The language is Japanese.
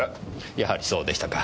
やはりそうでしたか。